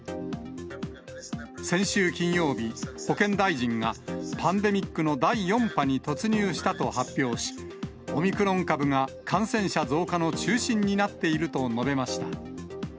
先週金曜日、保健大臣がパンデミックの第４波に突入したと発表し、オミクロン株が感染者増加の中心になっていると述べました。